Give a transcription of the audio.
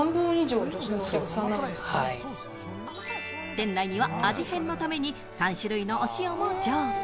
店内には味変のために３種類のお塩も常備。